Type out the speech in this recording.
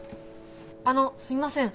あのすみません